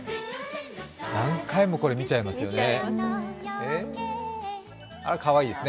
何回も見ちゃいますよね。